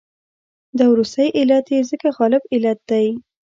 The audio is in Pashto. دا وروستی علت یې ځکه غالب علت دی.